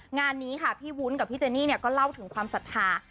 งานนี้ค่ะพี่วุ้นกับพี่เจนี่ก็เล่าถึงความศรัทธา